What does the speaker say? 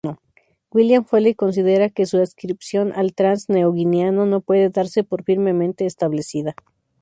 William Foley considera que su adscripción al trans-neoguineano no puede darse por firmemente establecida.